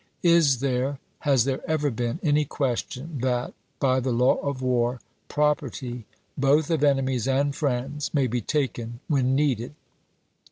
Is there, has there ever been, any question that, by the law of war, property, both of enemies and friends, may be taken when needed?